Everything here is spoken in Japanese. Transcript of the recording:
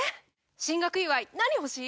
進学祝い何欲しい？